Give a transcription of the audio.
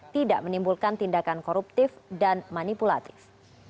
tidak menimbulkan tindakan koruptif dan manipulatif